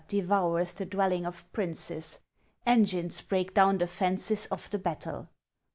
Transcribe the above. devoureth the dwelling of princes ; Engines break down the fences of the battle.